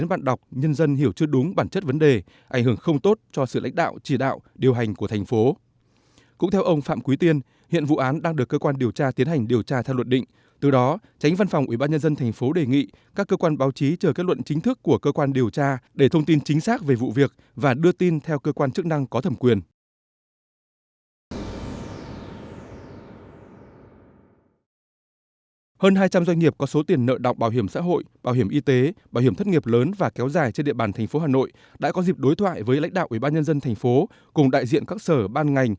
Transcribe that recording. bảo hiểm thất nghiệp lớn và kéo dài trên địa bàn thành phố hà nội đã có dịp đối thoại với lãnh đạo ủy ban nhân dân thành phố cùng đại diện các sở ban ngành